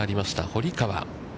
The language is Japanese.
堀川。